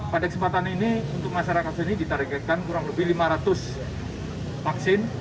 pada kesempatan ini untuk masyarakat sini ditargetkan kurang lebih lima ratus vaksin